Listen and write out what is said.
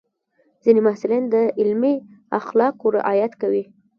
ځینې محصلین د علمي اخلاقو رعایت کوي.